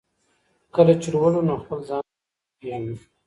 کله چي لولو نو خپل ځان او نړۍ پېژنو.